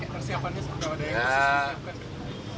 persiapannya seperti apa